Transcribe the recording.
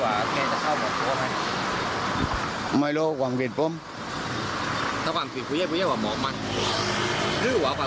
หวังว่าเกษตรพันธุ์จะได้ไหมสินะ